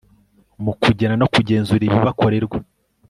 mu kugena no kugenzura ibibakorerwa